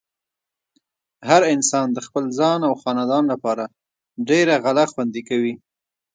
هر انسان د خپل ځان او خاندان لپاره ډېره غله خوندې کوي۔